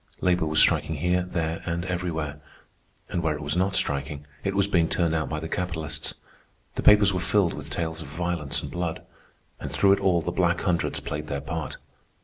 Labor was striking here, there, and everywhere; and where it was not striking, it was being turned out by the capitalists. The papers were filled with tales of violence and blood. And through it all the Black Hundreds played their part.